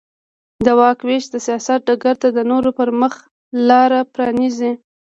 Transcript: د واک وېش د سیاست ډګر ته د نورو پرمخ لار پرانېزي.